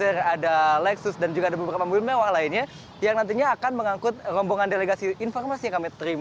ada mercedes s class ada land cruiser ada lexus dan juga ada beberapa mobil mewah lainnya yang nantinya akan mengangkut rombongan delegasi informasi yang kami terima